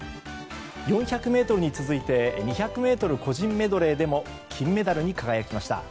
４００ｍに続いて２００ｍ個人メドレーでも金メダルに輝きました。